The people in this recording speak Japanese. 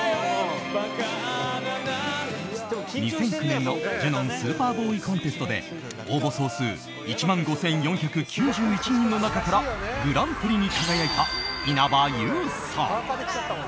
２００９年のジュノン・スーパーボーイ・コンテストで応募総数１万５４９１人の中からグランプリに輝いた稲葉友さん。